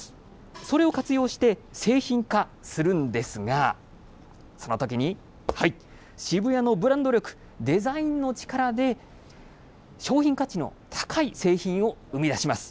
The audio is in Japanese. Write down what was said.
それを活用して製品化するんですが、そのときに、はい、渋谷のブランド力、デザインの力で、商品価値の高い製品を生み出します。